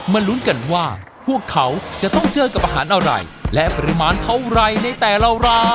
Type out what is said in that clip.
ลุ้นกันว่าพวกเขาจะต้องเจอกับอาหารอะไรและปริมาณเท่าไรในแต่ละร้าน